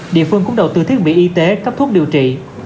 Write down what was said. địa phương cũng đầu tư thiết bị y tế cấp thuốc điều trị